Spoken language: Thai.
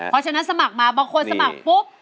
เพราะฉะนั้นสมัครมาบางคนสมัครปุ๊บ